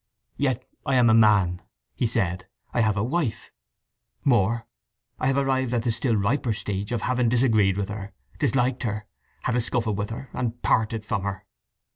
"Yet I am a man," he said. "I have a wife. More, I have arrived at the still riper stage of having disagreed with her, disliked her, had a scuffle with her, and parted from her."